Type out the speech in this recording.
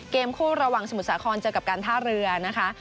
เกมคู่ระหว่างสมุทรสาครเจอกับการท่าเรือนะคะ